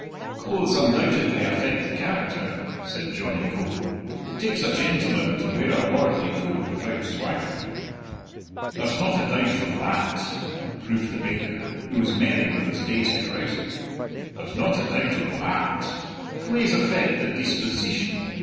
"Clothes undoubtedly affect the character," said Johnny Coe. "It takes a gentleman to wear a lordly coat without swaggering." "There's not a doubt o' tha at!" approved the baker, who was merry with his day's carousal; "there's not a doubt o' tha at! Claes affect the disposeetion.